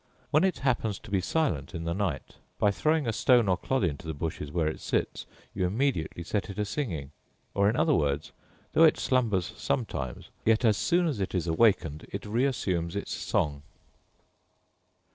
When it happens to be silent in the night, by throwing a stone or clod into the bushes where it sits you immediately set it a singing; or in other words, though it slumbers sometimes, yet as soon as it is awakened it reassumes its song.